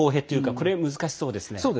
これ、難しそうですね。